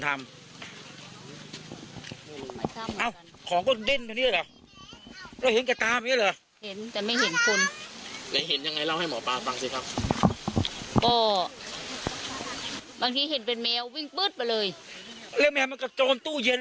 ตอนนั้นของนค์ยังสงสัน